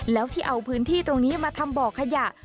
แล้วที่เอาพื้นที่ตรงนี้มาทำบ่อขยะ